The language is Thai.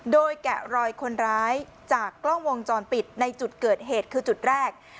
โดยแกะรอยคนร้ายจากกล้องวงจรปิดในจุดเกิดเหตุคือจุดแรก